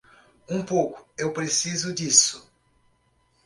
Um pouco eu preciso disso.